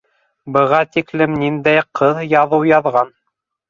Быға тиклем ниндәй ҡыҙ яҙыу яҙған?